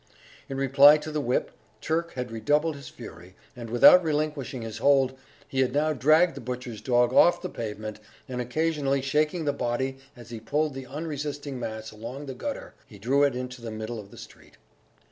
In reply to the whip, Turk had redoubled his fury, and, without relinquishing his hold, he had now dragged the butcher's dog off the pavement, and occasionally shaking the body as he pulled the unresisting mass along the gutter, he drew it into the middle of the street.